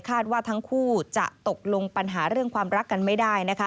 ว่าทั้งคู่จะตกลงปัญหาเรื่องความรักกันไม่ได้นะคะ